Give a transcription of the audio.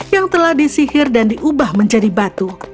yang telah disihir dan diubah menjadi batu